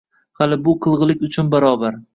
Hali bu qilg’ilik uchun barobar –